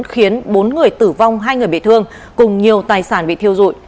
khiến bốn người tử vong hai người bị thương cùng nhiều tài sản bị thiêu dụi